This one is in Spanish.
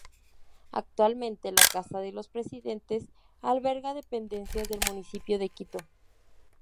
Actualmente, la Casa de los Presidentes alberga dependencias del Municipio de Quito.